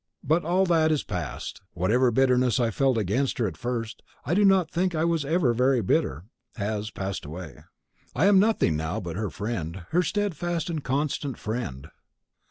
But all that is past; whatever bitterness I felt against her at first and I do not think I was ever very bitter has passed away. I am nothing now but her friend, her steadfast and constant friend."